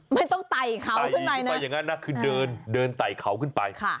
ไม่ต้องไต่เขาขึ้นไปนะคือเดินไต่เขาขึ้นไป